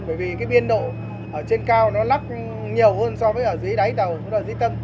bởi vì cái biên độ ở trên cao nó lắc nhiều hơn so với ở dưới đáy tàu ở dưới tâm